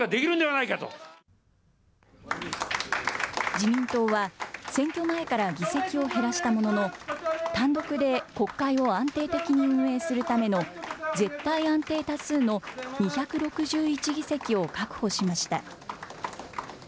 自民党は、選挙前から議席を減らしたものの、単独で国会を安定的に運営するための絶対安定多数の２６１議席を確保しました。